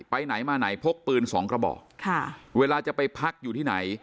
ไปไหนมาไหนพกปืนสองกระบอกค่ะเวลาจะไปพักอยู่ที่ไหน